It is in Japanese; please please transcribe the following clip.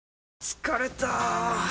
疲れた！